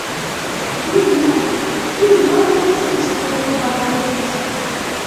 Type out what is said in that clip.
Ды не, і ён як сыч з-пад ілба глядзіць.